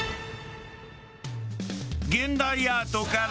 現代アートから学ぶ